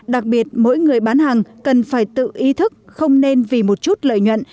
đặc biệt mỗi người bán hàng cần phải tự ý thức không nên vì một chút lợi nhuận